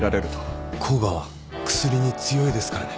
甲賀は薬に強いですからね。